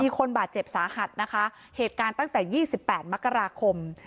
คนบาดเจ็บสาหัสนะคะเหตุการณ์ตั้งแต่๒๘มกราคม